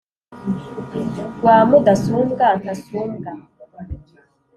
rwa mudasumbwa ntasumbwa